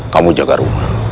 kamu jaga rumah